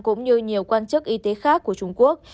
cũng như nhiều quan chức y tế khác của trung quốc